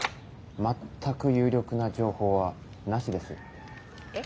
全く有力な情報はなしです。え？